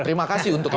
terima kasih untuk